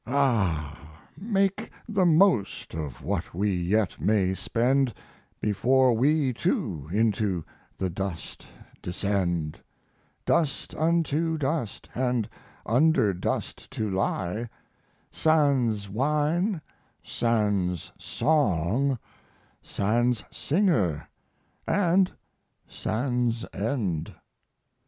Ah, make the most of what we yet may spend, Before we too into the dust descend; Dust unto dust, and under dust to lie, Sans wine, sans song, sans singer, and sans End.'